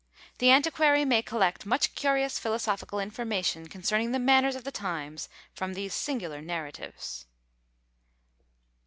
The antiquary may collect much curious philosophical information, concerning the manners of the times, from these singular narratives.